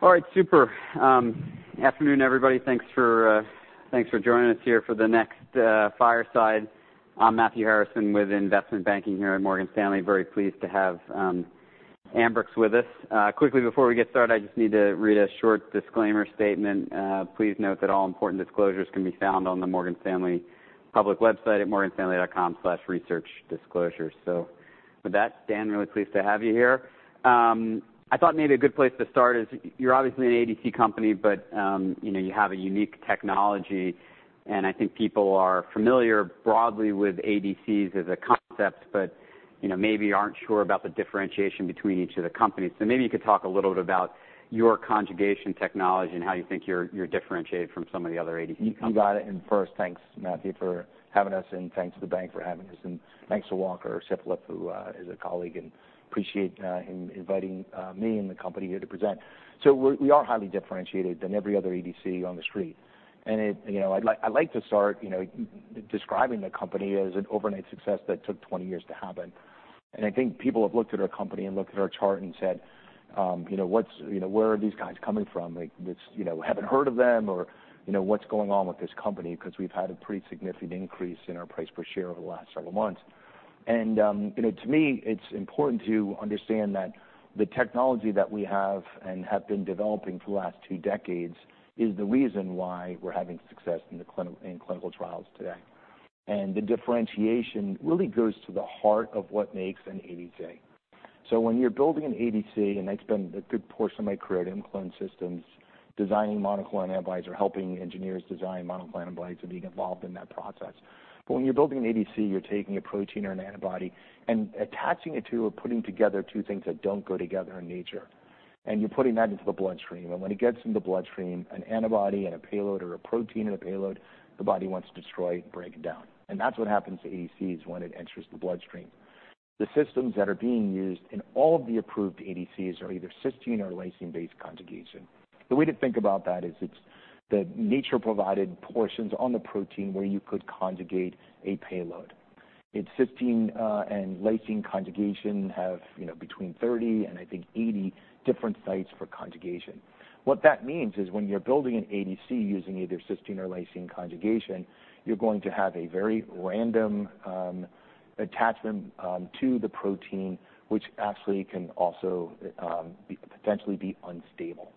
All right, super afternoon, everybody. Thanks for joining us here for the next Fireside. I'm Matthew Harrison with Investment Banking here at Morgan Stanley. Very pleased to have Ambrx with us. Quickly, before we get started, I just need to read a short disclaimer statement. Please note that all important disclosures can be found on the Morgan Stanley public website at morganstanley.com/researchdisclosures. So with that, Dan, really pleased to have you here. I thought maybe a good place to start is, you're obviously an ADC company, but, you know, you have a unique technology, and I think people are familiar broadly with ADCs as a concept, but, you know, maybe aren't sure about the differentiation between each of the companies. Maybe you could talk a little bit about your conjugation technology and how you think you're differentiated from some of the other ADC companies. You got it. And first, thanks, Matthew, for having us, and thanks to the bank for having us. And thanks to Walker Sippl, who is a colleague, and appreciate him inviting me and the company here to present. So we are highly differentiated than every other ADC on the street. And it. You know, I'd like, I'd like to start, you know, describing the company as an overnight success that took 20 years to happen. And I think people have looked at our company and looked at our chart and said, "you know, what's you know, where are these guys coming from?" Like, "It's" You know, "Haven't heard of them," or, you know, "What's going on with this company?" Because we've had a pretty significant increase in our price per share over the last several months. You know, to me, it's important to understand that the technology that we have and have been developing for the last two decades is the reason why we're having success in clinical trials today. The differentiation really goes to the heart of what makes an ADC. When you're building an ADC, and I spent a good portion of my career at ImClone Systems designing monoclonal antibodies or helping engineers design monoclonal antibodies and being involved in that process. When you're building an ADC, you're taking a protein or an antibody and attaching it to or putting together two things that don't go together in nature, and you're putting that into the bloodstream. When it gets in the bloodstream, an antibody and a payload, or a protein and a payload, the body wants to destroy and break it down. And that's what happens to ADCs when it enters the bloodstream. The systems that are being used in all of the approved ADCs are either cysteine or lysine-based conjugation. The way to think about that is, it's the nature-provided portions on the protein where you could conjugate a payload. In cysteine, and lysine conjugation have, you know, between 30 and, I think, 80 different sites for conjugation. What that means is when you're building an ADC using either cysteine or lysine conjugation, you're going to have a very random, attachment, to the protein, which actually can also, be potentially be unstable,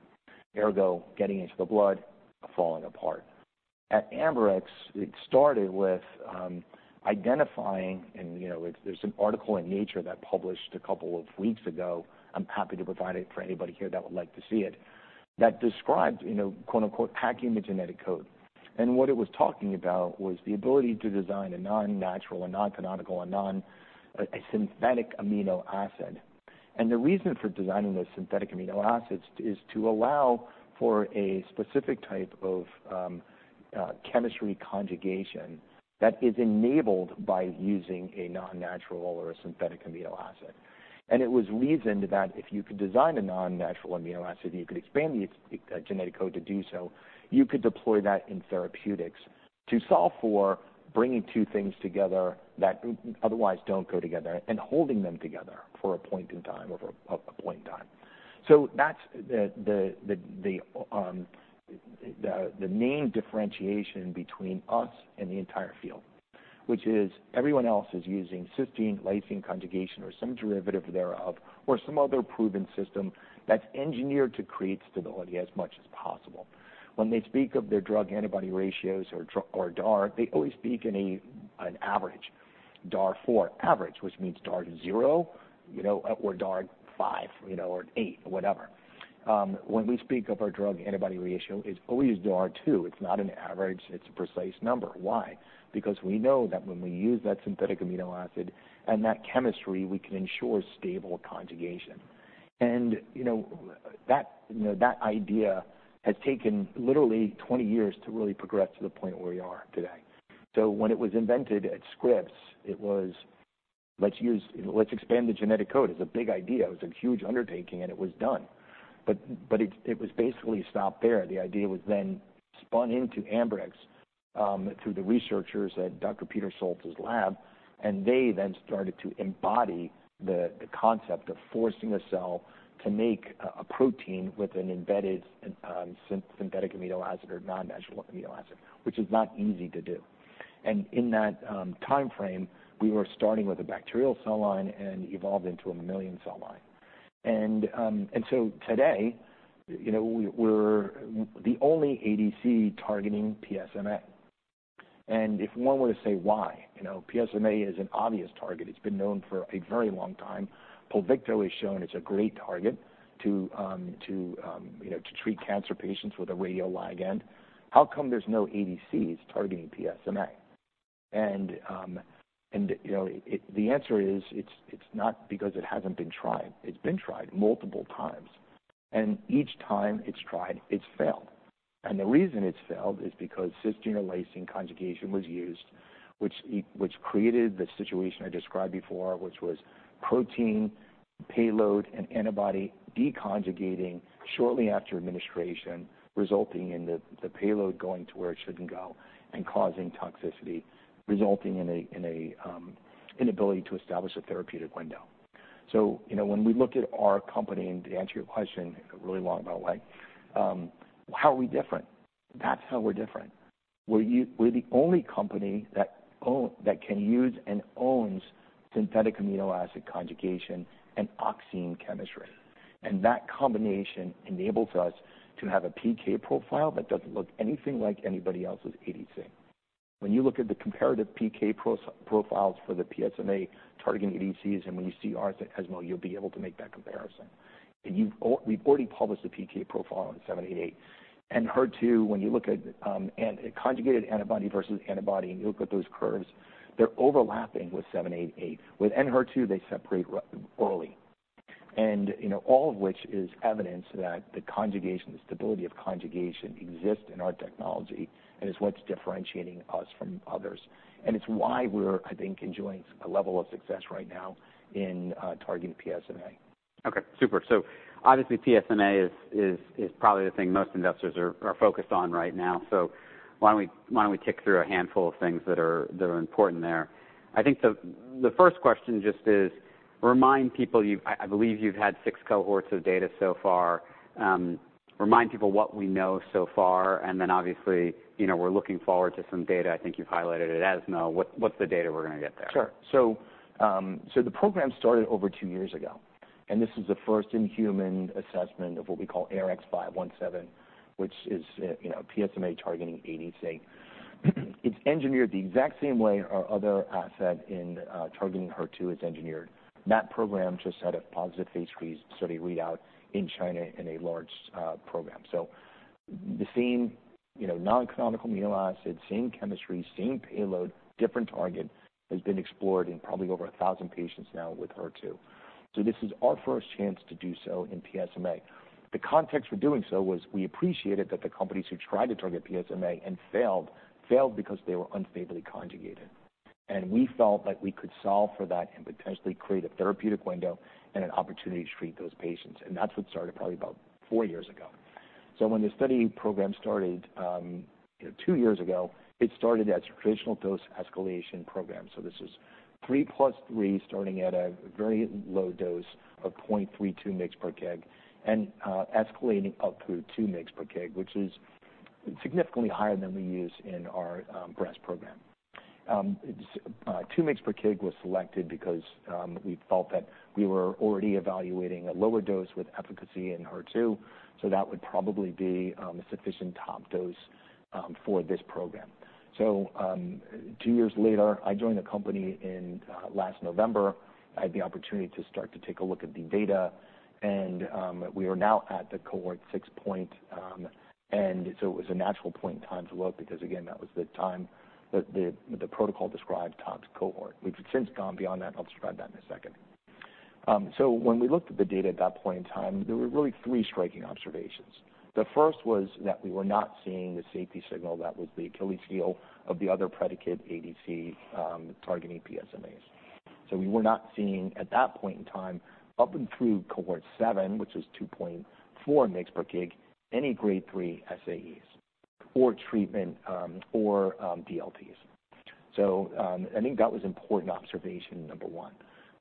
ergo, getting into the blood, falling apart. At Ambrx, it started with identifying, and, you know, there's an article in Nature that published a couple of weeks ago. I'm happy to provide it for anybody here that would like to see it, that describes, you know, "Hacking the genetic code." And what it was talking about was the ability to design a non-natural, a non-canonical, a synthetic amino acid. And the reason for designing those synthetic amino acids is to allow for a specific type of chemistry conjugation that is enabled by using a non-natural or a synthetic amino acid. And it was reasoned that if you could design a non-natural amino acid, and you could expand the genetic code to do so, you could deploy that in therapeutics to solve for bringing two things together that otherwise don't go together and holding them together for a point in time, over a point in time. So that's the main differentiation between us and the entire field, which is everyone else is using cysteine-lysine conjugation or some derivative thereof, or some other proven system that's engineered to create stability as much as possible. When they speak of their drug antibody ratios or DAR, they always speak in an average, DAR 4 average, which means DAR 0, you know, or DAR 5, you know, or DAR 8, or whatever. When we speak of our drug antibody ratio, it's always DAR 2. It's not an average; it's a precise number. Why? Because we know that when we use that synthetic amino acid and that chemistry, we can ensure stable conjugation. And, you know, that idea has taken literally 20 years to really progress to the point where we are today. So when it was invented at Scripps, it was, let's expand the genetic code. It's a big idea. It was a huge undertaking, and it was done. But it was basically stopped there. The idea was then spun into Ambrx through the researchers at Dr. Peter Schultz's lab, and they then started to embody the concept of forcing a cell to make a protein with an embedded synthetic amino acid or non-natural amino acid, which is not easy to do. And in that timeframe, we were starting with a bacterial cell line and evolved into a mammalian cell line. And so today, you know, we're the only ADC targeting PSMA. And if one were to say why, you know, PSMA is an obvious target. It's been known for a very long time. Pluvicto has shown it's a great target to, you know, to treat cancer patients with a radioligand. How come there's no ADCs targeting PSMA? And, you know, the answer is, it's not because it hasn't been tried. It's been tried multiple times, and each time it's tried, it's failed. And the reason it's failed is because cysteine or lysine conjugation was used, which created the situation I described before, which was protein, payload, and antibody deconjugating shortly after administration, resulting in the payload going to where it shouldn't go and causing toxicity, resulting in an inability to establish a therapeutic window. So, you know, when we look at our company, and to answer your question in a really long way, how are we different? That's how we're different. We're the only company that own, that can use and owns synthetic amino acid conjugation and oxime chemistry. And that combination enables us to have a PK profile that doesn't look anything like anybody else's ADC. When you look at the comparative PK profiles for the PSMA-targeting ADCs, and when you see ours at ESMO, you'll be able to make that comparison. And you've, we've already published a PK profile on ARX788. And HER2, when you look at, and a conjugated antibody versus antibody, and you look at those curves, they're overlapping with ARX788. With Enhertu, they separate early. And, you know, all of which is evidence that the conjugation, the stability of conjugation exists in our technology, and is what's differentiating us from others. And it's why we're, I think, enjoying a level of success right now in targeting PSMA. Okay, super. So obviously, PSMA is probably the thing most investors are focused on right now. So why don't we tick through a handful of things that are important there? I think the first question just is, remind people you've... I believe you've had six cohorts of data so far. Remind people what we know so far, and then obviously, you know, we're looking forward to some data. I think you've highlighted it at ESMO. What's the data we're gonna get there? Sure. So, the program started over two years ago, and this is the first in-human assessment of what we call ARX517, which is, you know, PSMA targeting ADC. It's engineered the exact same way our other asset in targeting HER2 is engineered. That program just had a positive phase III study readout in China in a large program. So the same, you know, non-canonical amino acid, same chemistry, same payload, different target, has been explored in probably over 1,000 patients now with HER2. So this is our first chance to do so in PSMA. The context for doing so was we appreciated that the companies who tried to target PSMA and failed, failed because they were unfavorably conjugated, and we felt like we could solve for that and potentially create a therapeutic window and an opportunity to treat those patients. That's what started probably about four years ago. When the study program started two years ago, it started as a traditional dose escalation program. This is 3+3, starting at a very low dose of 0.32 mg/kg, and escalating up to 2 mg/kg, which is significantly higher than we use in our breast program. 2 mg/kg was selected because we felt that we were already evaluating a lower dose with efficacy in HER2, so that would probably be a sufficient top dose for this program. Two years later, I joined the company in last November. I had the opportunity to start to take a look at the data, and we are now at the Cohort 6 point. And so it was a natural point in time to look, because again, that was the time that the protocol described Top's cohort. We've since gone beyond that. I'll describe that in a second. So when we looked at the data at that point in time, there were really three striking observations. The first was that we were not seeing the safety signal that was the Achilles heel of the other predicate ADC targeting PSMAs. So we were not seeing, at that point in time, up Cohort 7, which was 2.4 mg/kg, any Grade 3 SAEs or treatment DLTs. So I think that was important observation number one.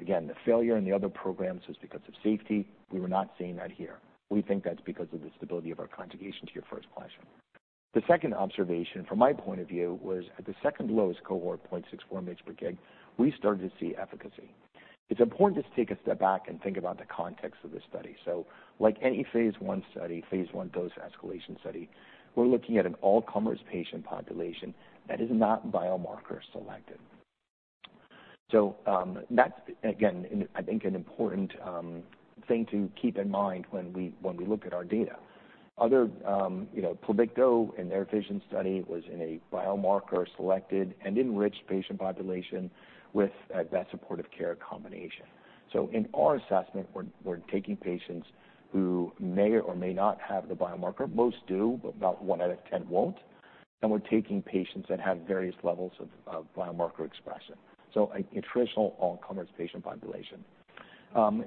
Again, the failure in the other programs was because of safety. We were not seeing that here. We think that's because of the stability of our conjugation to your first question. The second observation, from my point of view, was at the second lowest cohort, 0.64 mg/kg, we started to see efficacy. It's important to take a step back and think about the context of this study. So like any phase I study, phase I dose escalation study, we're looking at an all-comers patient population that is not biomarker selected. So, that's again, I think, an important thing to keep in mind when we, when we look at our data. Other, you know, Pluvicto and their VISION study was in a biomarker-selected and enriched patient population with a best supportive care combination. So in our assessment, we're, we're taking patients who may or may not have the biomarker. Most do, but about one out of 10 won't. We're taking patients that have various levels of biomarker expression, so a traditional all-comers patient population.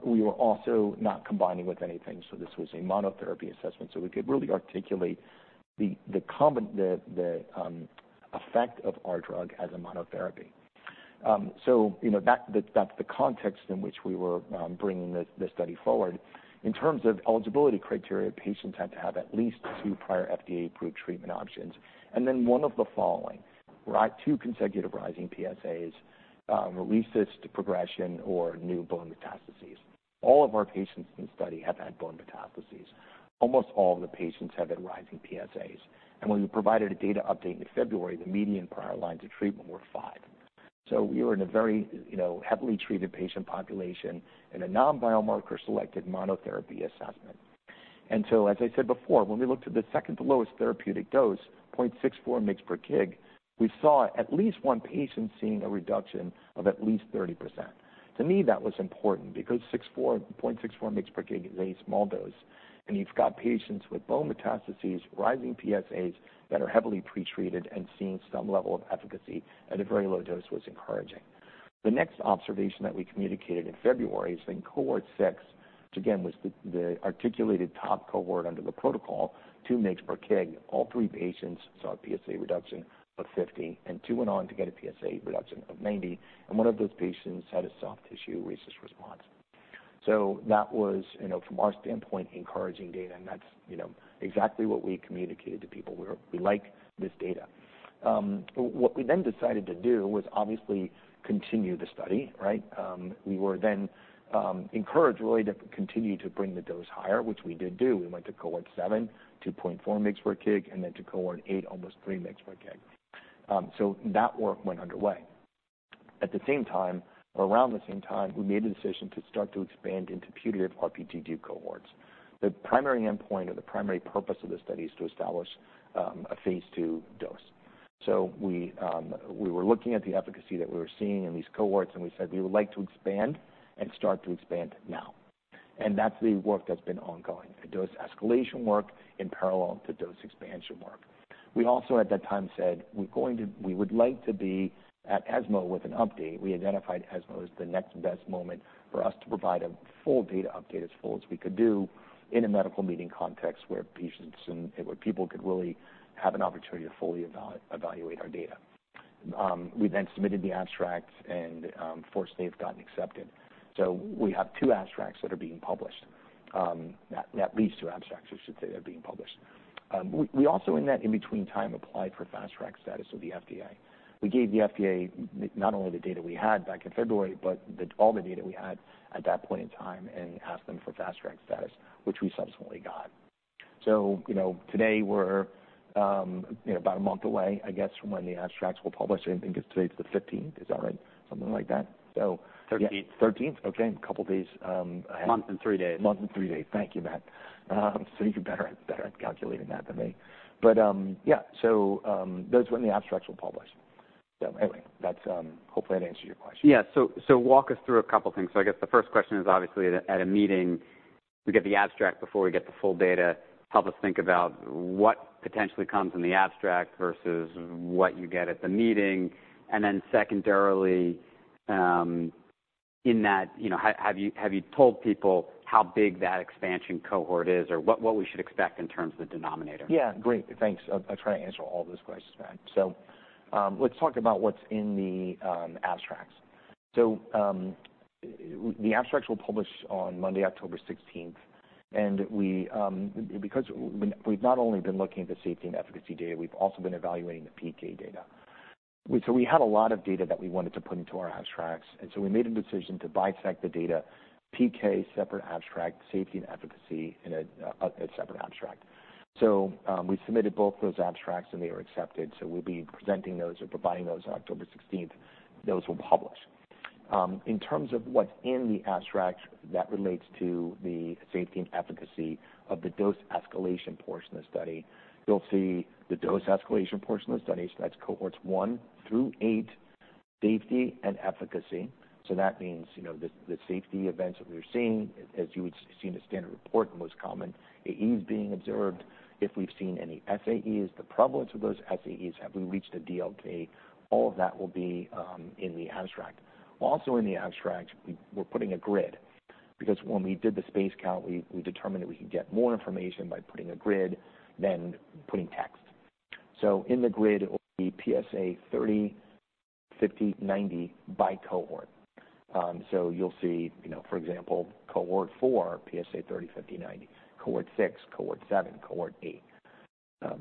We were also not combining with anything, so this was a monotherapy assessment, so we could really articulate the effect of our drug as a monotherapy. So you know, that's the context in which we were bringing this study forward. In terms of eligibility criteria, patients had to have at least two prior FDA-approved treatment options, and then one of the following: or two consecutive rising PSAs, relapse or progression or new bone metastases. All of our patients in the study have had bone metastases. Almost all of the patients have had rising PSAs. And when we provided a data update in February, the median prior lines of treatment were five. So we were in a very, you know, heavily treated patient population in a non-biomarker selected monotherapy assessment. So, as I said before, when we looked at the second to lowest therapeutic dose, 0.64 mg/kg, we saw at least one patient seeing a reduction of at least 30%. To me, that was important because 0.64 mg/kg is a small dose, and you've got patients with bone metastases, rising PSAs, that are heavily pretreated and seeing some level of efficacy at a very low dose was encouraging. The next observation that we communicated in February is Cohort 6, which again, was the articulated top cohort under the protocol, 2 mg/kg. All three patients saw a PSA reduction of 50%, and two went on to get a PSA reduction of 90%, and one of those patients had a soft tissue RECIST response. So that was, you know, from our standpoint, encouraging data, and that's, you know, exactly what we communicated to people. We like this data. What we then decided to do was obviously continue the study, right? We were then encouraged really to continue to bring the dose higher, which we did do. We went Cohort 7, 2.4 mg/kg, and then to Cohort 8, almost 3 mg/kg. So that work went underway. At the same time, or around the same time, we made a decision to start to expand into pediatric RP2D cohorts. The primary endpoint or the primary purpose of the study is to establish a phase II dose. So we were looking at the efficacy that we were seeing in these cohorts, and we said we would like to expand and start to expand now. And that's the work that's been ongoing, the dose escalation work in parallel to dose expansion work. We also, at that time, said, we're going to... We would like to be at ESMO with an update. We identified ESMO as the next best moment for us to provide a full data update, as full as we could do in a medical meeting context, where patients and where people could really have an opportunity to fully evaluate our data. We then submitted the abstracts, and, fortunately, they've gotten accepted. So we have two abstracts that are being published, at least two abstracts, I should say, that are being published. We also, in that in-between time, applied for Fast Track status with the FDA. We gave the FDA not only the data we had back in February, but all the data we had at that point in time and asked them for Fast Track status, which we subsequently got. So, you know, today we're, you know, about a month away, I guess, from when the abstracts will publish. I think it's today the 15th. Is that right? Something like that. 13th. 13th? Okay, a couple of days ahead. Month and three days. Month and three days. Thank you, Matt. So you're better at calculating that than me. But, yeah, so, that's when the abstracts will publish. So anyway, that's... Hopefully, that answers your question. Yeah. So walk us through a couple of things. So I guess the first question is, obviously, at a meeting, we get the abstract before we get the full data. Help us think about what potentially comes in the abstract versus what you get at the meeting. And then secondarily, in that, you know, have you told people how big that expansion cohort is or what we should expect in terms of the denominator? Yeah, great. Thanks. I'll try to answer all those questions, Matt. So, let's talk about what's in the abstracts. So, the abstracts will publish on Monday, October 16th, and we, because we've not only been looking at the safety and efficacy data, we've also been evaluating the PK data. So we had a lot of data that we wanted to put into our abstracts, and so we made a decision to bisect the data, PK, separate abstract, safety and efficacy, in a separate abstract. So, we submitted both those abstracts, and they were accepted, so we'll be presenting those or providing those on October 16th. Those will publish. In terms of what's in the abstract, that relates to the safety and efficacy of the dose escalation portion of the study. You'll see the dose escalation portion of the study. So that's Cohort 1 through Cohort 8, safety and efficacy. So that means, you know, the safety events that we're seeing, as you would see in a standard report, the most common AE is being observed. If we've seen any SAEs, the prevalence of those SAEs, have we reached a DLT? All of that will be in the abstract. Also in the abstract, we're putting a grid, because when we did the space count, we determined that we could get more information by putting a grid than putting text. So in the grid will be PSA 30%, 50%, 90% by cohort. So you'll see, you know, for example, Cohort 4, PSA 30%, 50%, 90%, Cohort 6, Cohort 7, Cohort 8.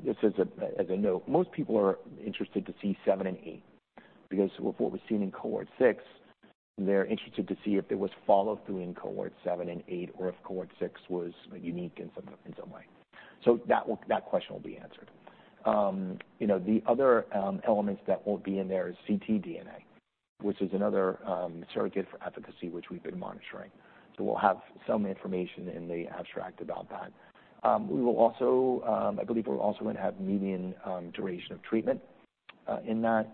This is a note, most people are interested to see Cohort 7 and Cohort 8 because of what we've seen in Cohort 6, they're interested to see if there was follow-through in Cohort 7 and 8 or if Cohort 6 was unique in some way. That question will be answered. You know, the other elements that will be in there is ctDNA, which is another surrogate for efficacy, which we've been monitoring. So we'll have some information in the abstract about that. We will also, I believe we're also going to have median duration of treatment in that,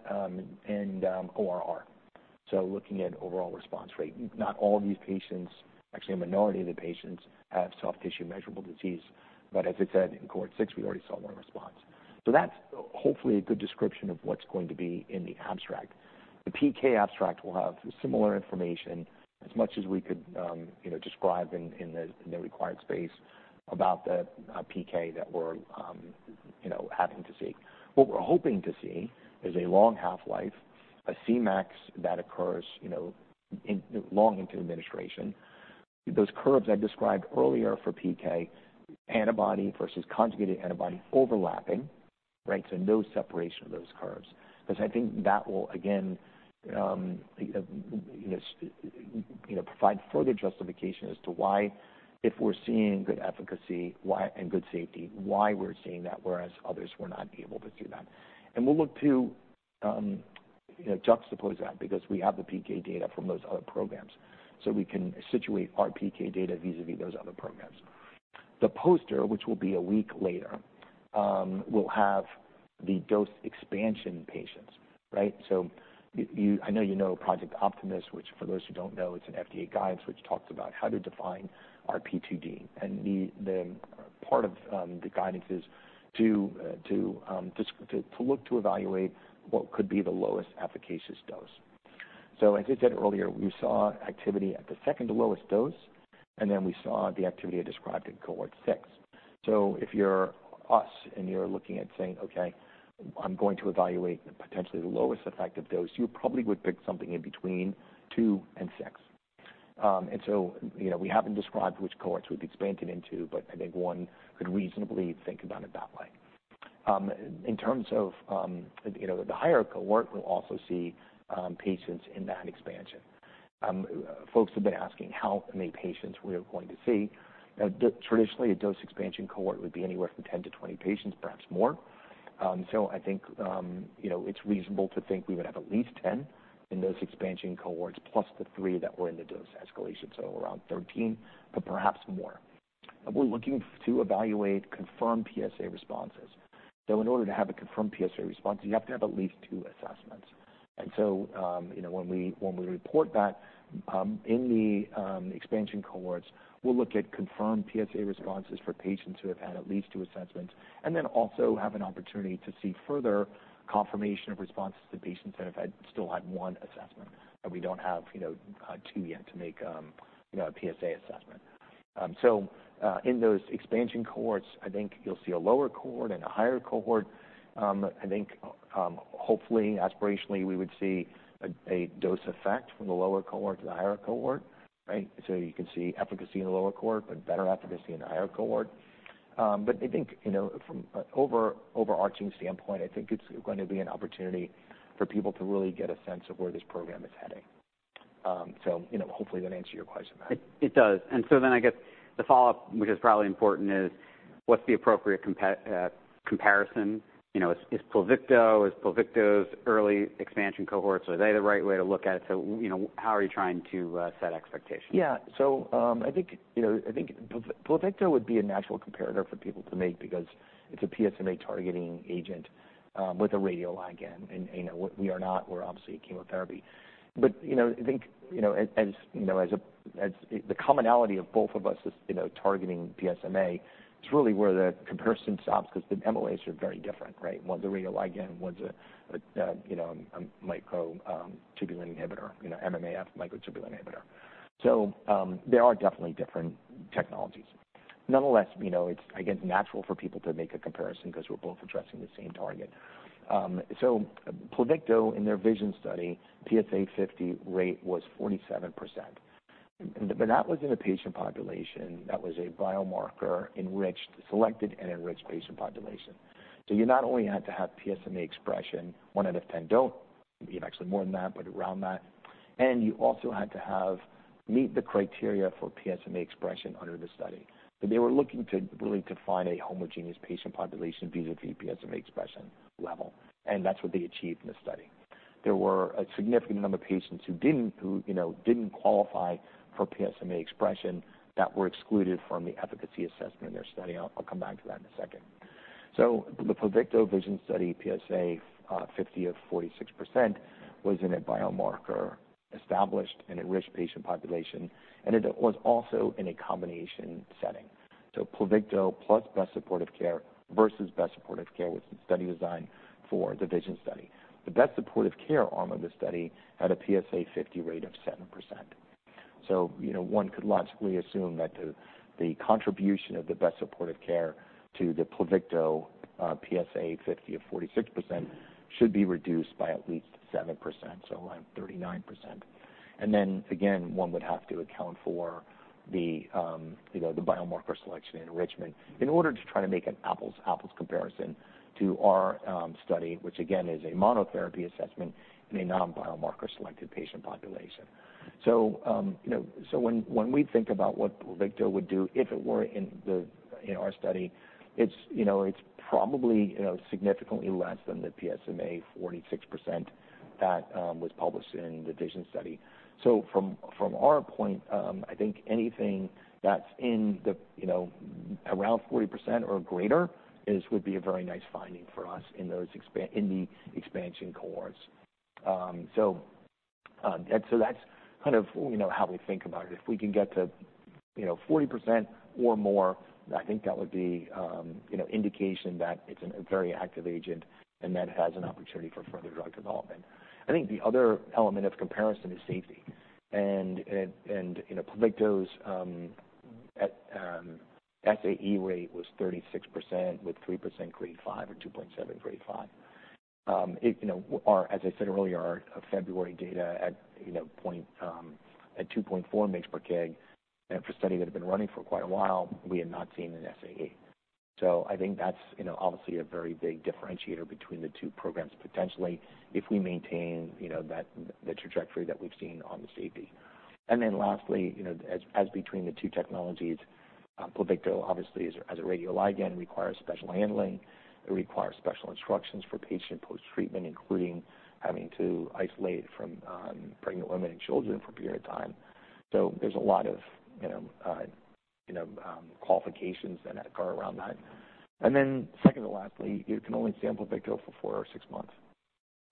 and ORR. So looking at overall response rate, not all of these patients, actually, a minority of the patients, have soft tissue measurable disease. But as I said, in Cohort 6, we already saw one response. So that's hopefully a good description of what's going to be in the abstract. The PK abstract will have similar information as much as we could, you know, describe in the required space about the PK that we're, you know, having to see. What we're hoping to see is a long half-life, a Cmax that occurs, you know, in long into administration. Those curves I described earlier for PK, antibody versus conjugated antibody overlapping, right? So no separation of those curves. Because I think that will again, you know, provide further justification as to why, if we're seeing good efficacy, why and good safety, why we're seeing that, whereas others were not able to do that. We'll look to, you know, juxtapose that because we have the PK data from those other programs, so we can situate our PK data vis-a-vis those other programs. The poster, which will be a week later, will have the dose expansion patients, right? So I know you know Project Optimus, which for those who don't know, it's an FDA guidance, which talks about how to define our P2D. And the part of the guidance is to just to look to evaluate what could be the lowest efficacious dose. So as I said earlier, we saw activity at the second lowest dose, and then we saw the activity I described in Cohort 6. So if you're us, and you're looking at saying, "Okay, I'm going to evaluate potentially the lowest effective dose," you probably would pick something in between Cohort 2- Cohort 6. And so, you know, we haven't described which cohorts we've expanded into, but I think one could reasonably think about it that way. In terms of, you know, the higher cohort, we'll also see patients in that expansion. Folks have been asking how many patients we are going to see. Traditionally, a dose expansion cohort would be anywhere from 10-20 patients, perhaps more. So I think, you know, it's reasonable to think we would have at least 10 in those expansion cohorts, plus the three that were in the dose escalation, so around 13, but perhaps more. We're looking to evaluate confirmed PSA responses. So in order to have a confirmed PSA response, you have to have at least two assessments. And so, you know, when we report that, in the expansion cohorts, we'll look at confirmed PSA responses for patients who have had at least two assessments, and then also have an opportunity to see further confirmation of responses to patients that have had still had one assessment, but we don't have, you know, two yet to make, you know, a PSA assessment. So, in those expansion cohorts, I think you'll see a lower cohort and a higher cohort. I think, hopefully, aspirationally, we would see a dose effect from the lower cohort to the higher cohort, right? So you can see efficacy in the lower cohort, but better efficacy in the higher cohort. But I think, you know, from overarching standpoint, I think it's going to be an opportunity for people to really get a sense of where this program is heading. So, you know, hopefully, that answered your question, Matt. It does. And so then I guess the follow-up, which is probably important, is what's the appropriate comparison? You know, is Pluvicto, is Pluvicto's early expansion cohorts, are they the right way to look at it? So, you know, how are you trying to set expectations? Yeah. So, I think, you know, I think Pluvicto would be a natural comparator for people to make because it's a PSMA-targeting agent, with a radioligand, and, you know, we are not. We're obviously a chemotherapy. But, you know, I think, you know, the commonality of both of us is, you know, targeting PSMA. It's really where the comparison stops because the MOAs are very different, right? One's a radioligand, one's a, a, you know, a microtubule inhibitor, you know, MMAF, microtubule inhibitor. So, they are definitely different technologies. Nonetheless, you know, it's, I guess, natural for people to make a comparison because we're both addressing the same target. So Pluvicto, in their VISION study, PSA 50 rate was 47%, but that was in a patient population that was a biomarker-enriched, selected, and enriched patient population. So you not only had to have PSMA expression, one out of 10 don't, you have actually more than that, but around that, and you also had to have, meet the criteria for PSMA expression under the study. But they were looking to really find a homogeneous patient population vis-a-vis PSMA expression level, and that's what they achieved in the study. There were a significant number of patients who didn't, you know, didn't qualify for PSMA expression that were excluded from the efficacy assessment in their study. I'll come back to that in a second. So the Pluvicto VISION study, PSA 50% or 46%, was in a biomarker established and enriched patient population, and it was also in a combination setting. So Pluvicto plus best supportive care versus best supportive care was the study design for the VISION study. The best supportive care arm of the study had a PSA 50% rate of 7%. So, you know, one could logically assume that the, the contribution of the best supportive care to the Pluvicto, PSA 50% of 46% should be reduced by at least 7%, so around 39%. And then again, one would have to account for the, you know, the biomarker selection enrichment in order to try to make an apples-to-apples comparison to our, study, which again, is a monotherapy assessment in a non-biomarker selected patient population. So, you know, so when, when we think about what Pluvicto would do if it were in the, in our study, it's, you know, it's probably, you know, significantly less than the PSMA 46% that, was published in the VISION study. So from our point, I think anything that's in the, you know, around 40% or greater is, would be a very nice finding for us in those expansion cohorts. And so that's kind of, you know, how we think about it. If we can get to, you know, 40% or more, I think that would be, you know, indication that it's a very active agent and that it has an opportunity for further drug development. I think the other element of comparison is safety. And, you know, Pluvicto's SAE rate was 36%, with 3% Grade 5 or 2.7 Grade 5. You know, as I said earlier, our February data at 2.4 mgs per kg, and for a study that had been running for quite a while, we had not seen an SAE. So I think that's, you know, obviously a very big differentiator between the two programs, potentially, if we maintain, you know, that, the trajectory that we've seen on the safety. And then lastly, you know, as between the two technologies, Pluvicto, obviously, as a radioligand, requires special handling. It requires special instructions for patient post-treatment, including having to isolate from pregnant women and children for a period of time. So there's a lot of, you know, you know, qualifications that go around that. And then second to lastly, you can only stay on Pluvicto for four or six months.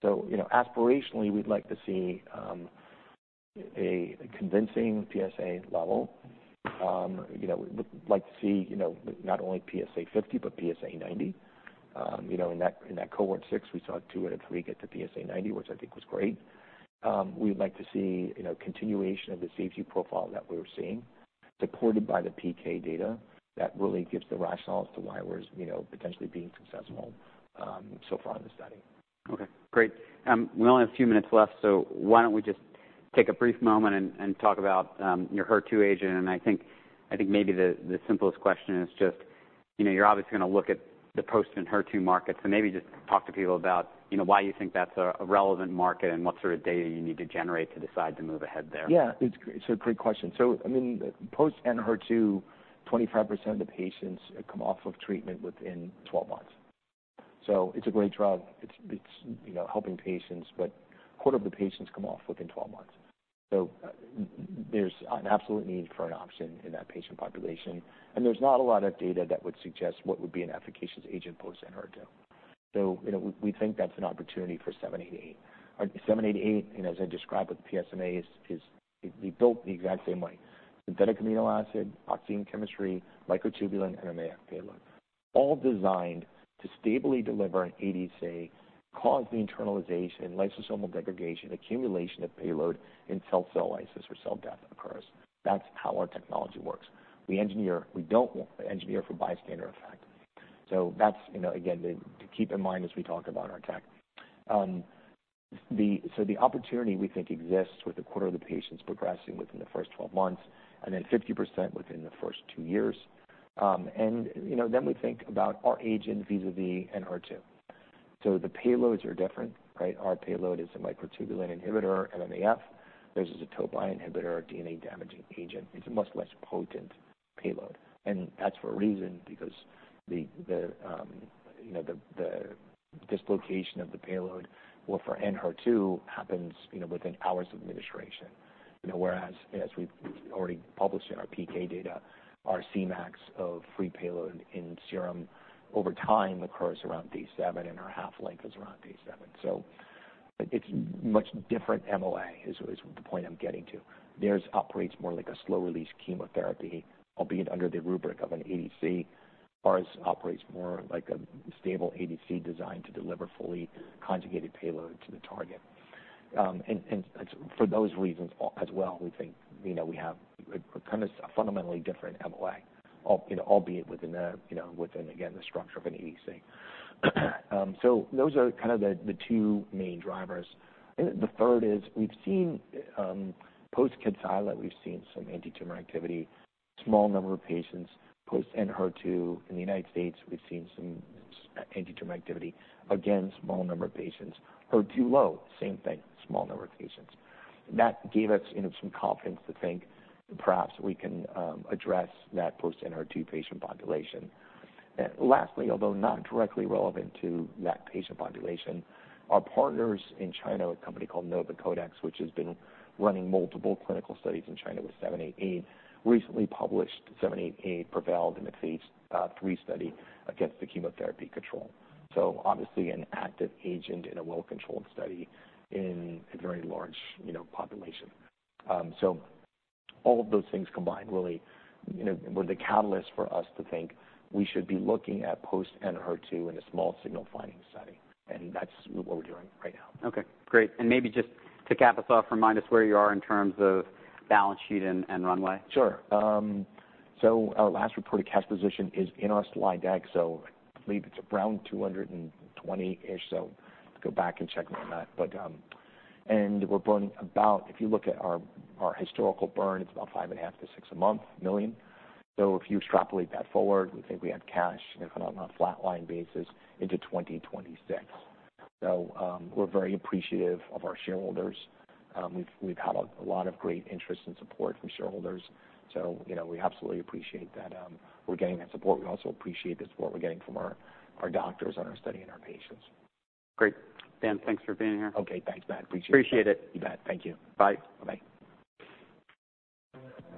So, you know, aspirationally, we'd like to see a convincing PSA level. You know, we would like to see, you know, not only PSA 50%, but PSA 90%. You know, in that, in that Cohort 6, we saw two out of three get to PSA 90%, which I think was great. We would like to see, you know, continuation of the safety profile that we were seeing, supported by the PK data. That really gives the rationale as to why we're, you know, potentially being successful so far in the study. Okay, great. We only have a few minutes left, so why don't we just take a brief moment and talk about your HER2 agent? And maybe the simplest question is just, you know, you're obviously gonna look at the post-Enhertu HER2 markets. So maybe just talk to people about, you know, why you think that's a relevant market, and what sort of data you need to generate to decide to move ahead there. Yeah, it's a great question. So I mean, post-Enhertu HER2, 25% of the patients come off of treatment within 12 months. So it's a great drug. It's, you know, helping patients, but a quarter of the patients come off within 12 months. So there's an absolute need for an option in that patient population, and there's not a lot of data that would suggest what would be an efficacious agent post-Enhertu HER2. So, you know, we think that's an opportunity for ARX788. ARX788, you know, as I described with PSMA, is built the exact same way. Synthetic amino acid, oxime chemistry, microtubule and MMAF payload, all designed to stably deliver an ADC, cause the internalization, lysosomal degradation, accumulation of payload, and cell lysis or cell death occurs. That's how our technology works. We engineer... We don't engineer for bystander effect. So that's, you know, again, to, to keep in mind as we talk about our tech. So the opportunity we think exists with a quarter of the patients progressing within the first 12 months and then 50% within the first two years. And, you know, then we think about our agent vis-à-vis Enhertu. So the payloads are different, right? Our payload is a microtubule inhibitor, MMAF. Theirs is a topoisomerase inhibitor, DNA-damaging agent. It's a much less potent payload, and that's for a reason, because the, the, you know, the, the dislocation of the payload, well, for Enhertu, happens, you know, within hours of administration. You know, whereas as we've already published in our PK data, our Cmax of free payload in serum over time occurs around day 7, and our half-life is around day 7. So it's much different MOA, the point I'm getting to. Theirs operates more like a slow-release chemotherapy, albeit under the rubric of an ADC. Ours operates more like a stable ADC designed to deliver fully conjugated payload to the target. And for those reasons as well, we think, you know, we have a kind of a fundamentally different MOA, you know, albeit within the, you know, within, again, the structure of an ADC. So those are kind of the two main drivers. And the third is, we've seen post-Kadcyla, we've seen some antitumor activity, small number of patients, post-Enhertu. In the United States, we've seen some antitumor activity. Again, small number of patients. HER2-low, same thing, small number of patients. That gave us, you know, some confidence to think perhaps we can address that post-Enhertu patient population. Lastly, although not directly relevant to that patient population, our partners in China, a company called NovoCodex, which has been running multiple clinical studies in China with ARX788, recently published ARX788 prevailed in its phase III study against the chemotherapy control. So obviously an active agent in a well-controlled study in a very large, you know, population. So all of those things combined really, you know, were the catalyst for us to think we should be looking at post-Enhertu in a small signal finding study, and that's what we're doing right now. Okay, great. Maybe just to cap us off, remind us where you are in terms of balance sheet and, and runway. Sure. So our last reported cash position is in our slide deck, so I believe it's around $220-ish, so go back and check on that. But. And we're burning about, if you look at our historical burn, it's about $5.5 million-$6 million a month. So if you extrapolate that forward, we think we have cash, you know, on a flat line basis into 2026. So, we're very appreciative of our shareholders. We've had a lot of great interest and support from shareholders. So, you know, we absolutely appreciate that, we're getting that support. We also appreciate the support we're getting from our doctors on our study and our patients. Great. Dan, thanks for being here. Okay, thanks, Matt. Appreciate it. Appreciate it. You bet. Thank you. Bye. Bye-bye.